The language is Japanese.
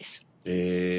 へえ。